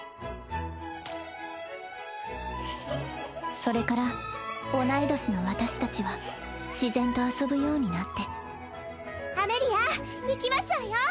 それから同い年の私達は自然と遊ぶようになってアメリア行きますわよ